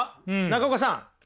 中岡さん。